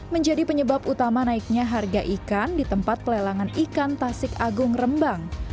menjadi penyebab utama naiknya harga ikan di tempat pelelangan ikan tasik agung rembang